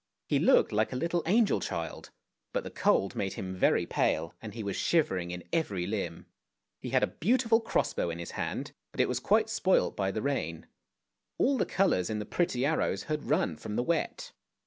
He looked like a little angel child, but the cold made him very pale, and he was shivering in every limb. He had a beautiful cross bow in his hand, but it was quite spoilt by the rain; all the colours in the pretty arrows had run from the wet.